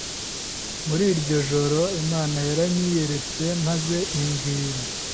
Muri iryo joro Imana yaranyiyeretse maze imbwira